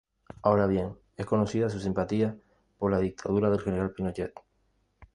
Ahora bien, es conocida su simpatía por la dictadura del General Pinochet.